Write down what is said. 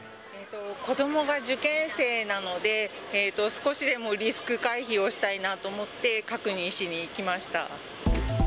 子どもが受験生なので、少しでもリスク回避をしたいなと思って、確認しに来ました。